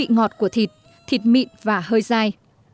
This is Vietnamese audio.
ngọt của thịt thịt mịn và hơi dai